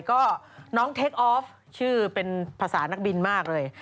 ก็น้องเทคออฟชื่อเป็นภาษานักบินมากเลย